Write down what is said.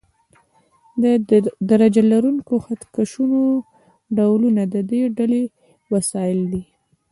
د درجه لرونکو خط کشونو ډولونه د دې ډلې وسایل دي.